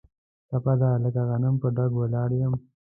ټپه ده: لکه غنم په ډاګ ولاړ یم.